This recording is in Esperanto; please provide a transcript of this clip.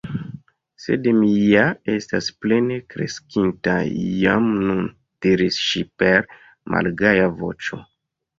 « Sed mi ja estas plene kreskinta jam nun" diris ŝi per malgaja voĉo.